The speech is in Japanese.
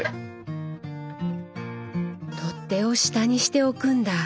取っ手を下にして置くんだ。